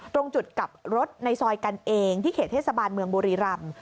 ตรงจุดกลับรถในซอยกันเองที่เขตเทศบาลเมืองบุรีรำ